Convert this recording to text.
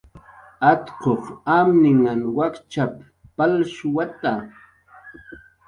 "Atquq amninhan wakchap"" palshuwata"